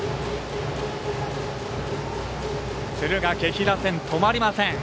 敦賀気比打線、止まりません。